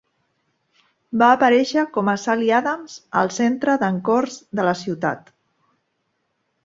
Va aparèixer com a Sally Adams al Centre de Encores de la ciutat!